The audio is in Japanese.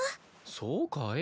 そうかい？